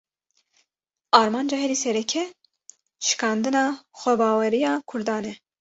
Armanca herî sereke, şikandina xwebaweriya Kurdan e